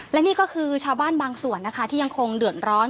และนี่ก็คือชาวบ้านบางส่วนนะคะที่ยังคงเดือดร้อน